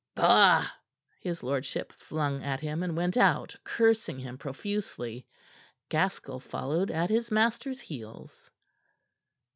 "Bah!" his lordship flung at him, and went out, cursing him profusely, Gaskell following at his master's heels.